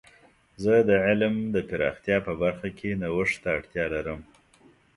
زه د علم د پراختیا په برخه کې نوښت ته اړتیا لرم.